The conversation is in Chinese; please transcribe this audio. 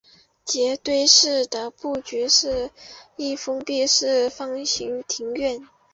杰堆寺的布局是一封闭式方形庭院。